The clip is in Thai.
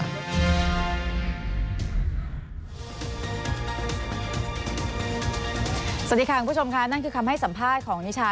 สวัสดีค่ะคุณผู้ชมค่ะนั่นคือคำให้สัมภาษณ์ของนิชา